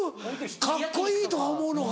カッコいいとか思うのか。